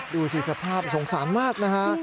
ดูสิสภาพสงสารมากนะฮะ